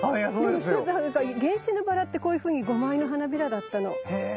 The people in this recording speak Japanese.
でもちょっとなんか原種のバラってこういうふうに５枚の花びらだったの。へ。